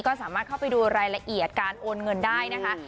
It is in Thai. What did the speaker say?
ก็สามารถเข้าไปดูรายละเอียดการโอนเงินได้นะคะ